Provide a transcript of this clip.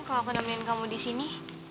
kalau aku nemenin kamu disini